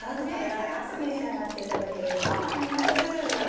サラっと召し上がっていただけると思います。